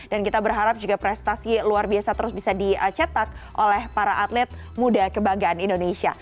dan kita berharap juga prestasi luar biasa terus bisa dicetak oleh para atlet muda kebanggaan indonesia